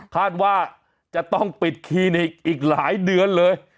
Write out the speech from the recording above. คาดว่าจะต้องปิดคลินิกอีกหลายเดือนเลย